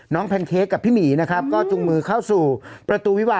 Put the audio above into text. แพนเค้กกับพี่หมีนะครับก็จุงมือเข้าสู่ประตูวิวา